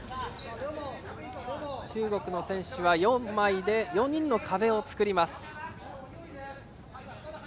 中国の選手は４人の壁を作ります。